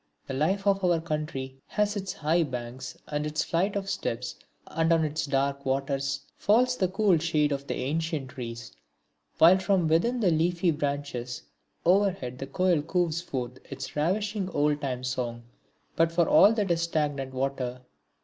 The life of our country has its high banks, and its flight of steps, and, on its dark waters falls the cool shade of the ancient trees, while from within the leafy branches over head the koel cooes forth its ravishing old time song. But for all that it is stagnant water.